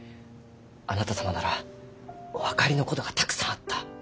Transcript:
あなた様ならお分かりのことがたくさんあった。